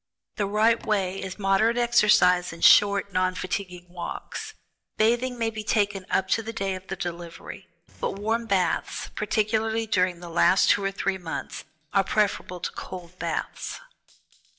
The right way is moderate exercise, and short, non fatiguing walks. Bathing may be kept up to the day of the delivery. But warm baths, particularly during the last two or three months, are preferable to cold baths."